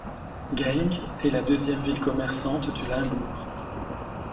Genk est la deuxième ville commerçante du Limbourg.